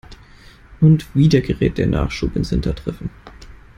Und wieder gerät der Nachschub ins Hintertreffen.